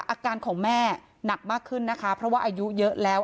อาการของแม่หนักมากขึ้นนะคะเพราะว่าอายุเยอะแล้ว